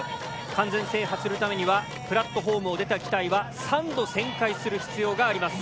完全制覇するためにはプラットホームを出た機体は３度旋回する必要があります。